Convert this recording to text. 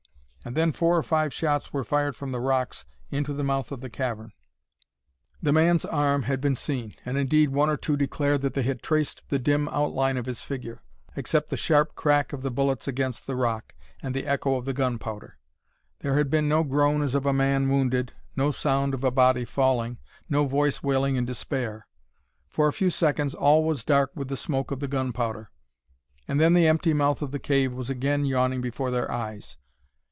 And then four or five shots were fired from the rocks into the mouth of the cavern. The man's arm had been seen, and indeed one or two declared that they had traced the dim outline of his figure. But no sound was heard to come from the cavern, except the sharp crack of the bullets against the rock, and the echo of the gunpowder. There had been no groan as of a man wounded, no sound of a body falling, no voice wailing in despair. For a few seconds all was dark with the smoke of the gunpowder, and then the empty mouth of the cave was again yawning before their eyes.